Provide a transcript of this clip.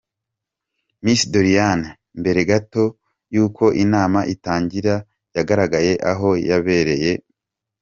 Miss Doriane mbere gato y'uko inama itangira yagaragaye aho yabereye.